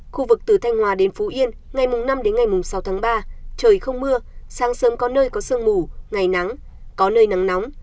khu vực từ thanh hòa đến phú yên ngày năm đến ngày sáu tháng ba trời không mưa sáng sớm có nơi có sương mù ngày nắng có nơi nắng nóng